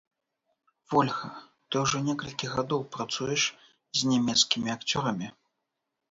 Вольга, ты ўжо некалькі гадоў працуеш з нямецкімі акцёрамі.